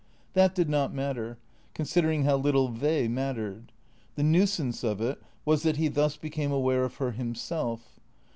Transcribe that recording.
That did not matter, considering how little they mattered. The nuisance of it was that he thus became aware of her himself.